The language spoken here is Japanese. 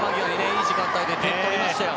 いい時間帯に点を取りましたよ。